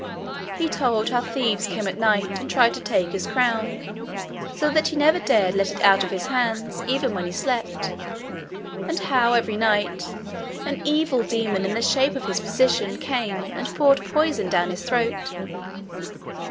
He told how thieves came at night and tried to take his crown, so that he never dared let it out of his hands even when he slept; and how, every night, an evil demon in the shape of his physician came and poured poison down his throat.